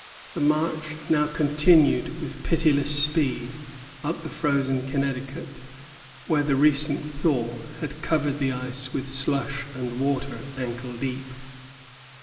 The march now continued with pitiless speed up the frozen Connecticut, where the recent thaw had covered the ice with slush and water ankle deep.